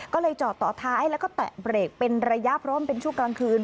ก็เลยจอดต่อท้ายและก็แตะเบรกเป็นระยะพร้อมชุดกลางคืน